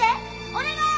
お願い！